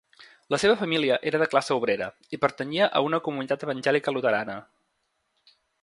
La seva família era de classe obrera i pertanyia a una comunitat evangèlica luterana.